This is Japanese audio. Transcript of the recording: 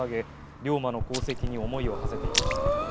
龍馬の功績に思いを馳せていました。